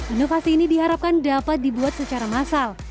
inovasi ini diharapkan dapat dibuat secara massal